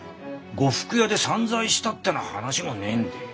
呉服屋で散財したってな話もねえんでえ。